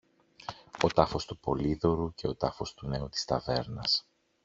ο τάφος του Πολύδωρου και ο τάφος του νέου της ταβέρνας.